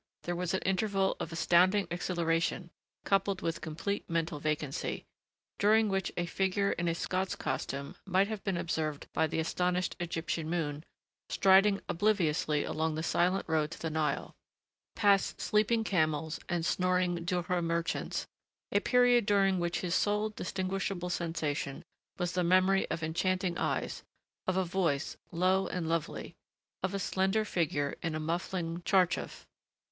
There was an interval of astounding exhilaration coupled with complete mental vacancy, during which a figure in a Scots costume might have been observed by the astonished Egyptian moon striding obliviously along the silent road to the Nile, past sleeping camels and snoring dhurra merchants a period during which his sole distinguishable sensation was the memory of enchanting eyes, of a voice, low and lovely ... of a slender figure in a muffling tcharchaf ...